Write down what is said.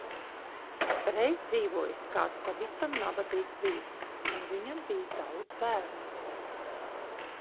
Reiz dzīvojis kāds pavisam nabadzīgs vīrs un viņam bijis daudz bērnu.